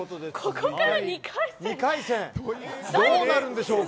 どうなるんでしょうか。